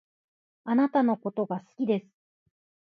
あなたのことが好きです